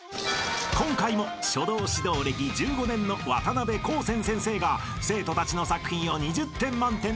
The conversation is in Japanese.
［今回も書道指導歴１５年の渡邊縞仙先生が生徒たちの作品を２０点満点で採点］